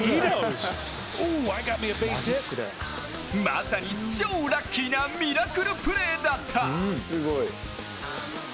まさに超ラッキーなミラクルプレーだった。